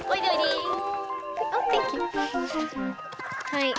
はい。